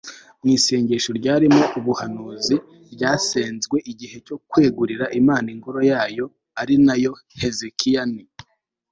mu isengesho ryarimo ubuhanuzi ryasenzwe igihe cyo kwegurira imana ingoro yayo ari nayo hezekiya n